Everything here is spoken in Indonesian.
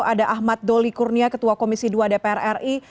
ada ahmad doli kurnia ketua komisi dua dpr ri